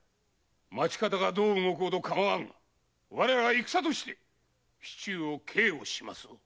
町方がどう動こうと構わんが我らは戦として市中を警護しますぞ。